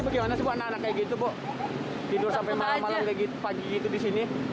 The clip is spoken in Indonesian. kayak gitu bu tidur sampai malam malam pagi gitu di sini